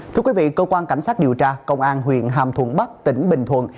thưa quý vị cơ quan cảnh sát điều tra công an huyện hàm thuận bắc tỉnh bình thuận